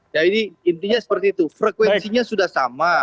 jadi intinya seperti itu frekuensinya sudah sama